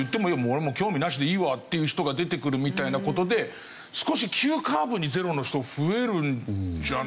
「俺もう興味なしでいいわ」っていう人が出てくるみたいな事で少し急カーブにゼロの人増えるんじゃないかなと。